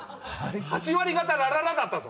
８割方「ら・ら・ら」だったぞ